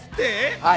はい。